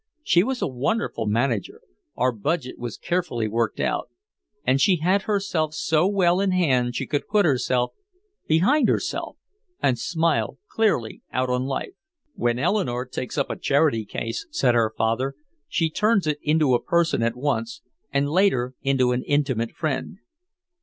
She was a wonderful manager, our budget was carefully worked out. And she had herself so well in hand she could put herself behind herself and smile clearly out on life. "When Eleanore takes up a charity case," said her father, "she turns it into a person at once, and later into an intimate friend."